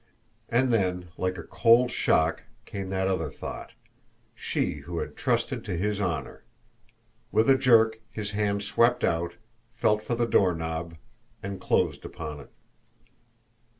And then, like a cold shock, came that other thought she who had trusted to his honour! With a jerk, his hand swept out, felt for the doorknob, and closed upon it.